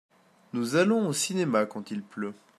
Nous allons au cinéma quant il pleut.